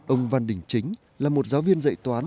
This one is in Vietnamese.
ông văn đình chính là một giáo viên dạy toán